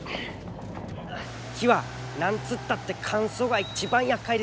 木は何つったって乾燥が一番やっかいですよ。